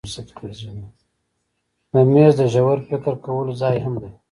مېز د ژور فکر کولو ځای هم دی.